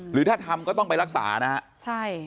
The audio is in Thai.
หรือถ้าทำก็ต้องไปรักษานะฮะใช่